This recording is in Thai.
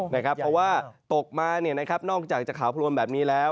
เพราะว่าตกมานอกจากจะขาวพลวนแบบนี้แล้ว